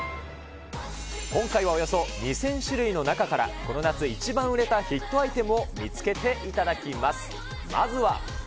今回はおよそ２０００種類の中から、この夏、一番売れたヒットアイテムを見つけていただきます。